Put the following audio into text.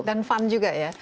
dan fun juga ya